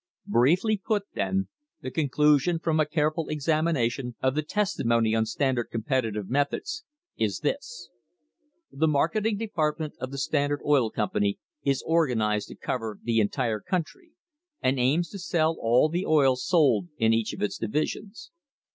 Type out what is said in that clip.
Briefly put, then, the conclusion, from a careful examina tion of the testimony on Standard competitive methods, is this : The marketing department of the Standard Oil Company is organised to cover the entire country, and aims to sell all the oil sold in each of its divisions.